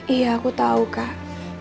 iya aku tau kak